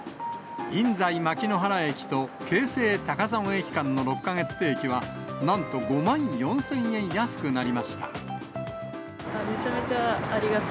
印西牧の原駅と京成高砂駅間の６か月定期は、なんと５万４０００円安くなりました。